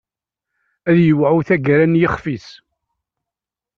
Ad yewɛu taggara n yixf-is.